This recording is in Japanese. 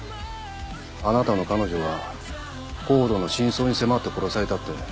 あなたの彼女はＣＯＤＥの真相に迫って殺されたって。